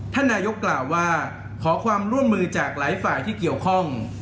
ท่านนายกกล่าวว่าขอความร่วมมือจากหลายฝ่ายที่เกี่ยวข้อง